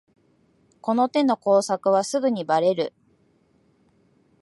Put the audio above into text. この手の工作はすぐにバレる